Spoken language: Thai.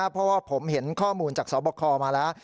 เพราะว่าผมเห็นข้อมูลจากสอบคอมาแล้ว